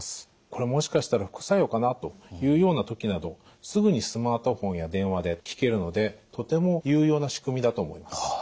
「これもしかしたら副作用かな？」というような時などすぐにスマートフォンや電話で聞けるのでとても有用な仕組みだと思います。